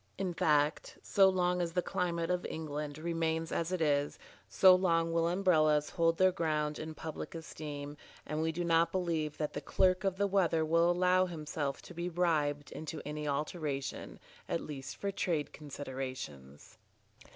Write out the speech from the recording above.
In fact, so long as the climate of England remains as it is, so long will Umbrellas hold their ground in public esteem, and we do not believe that the clerk of the weather will allow himself to be bribed into any alteration, at least for trade considerations.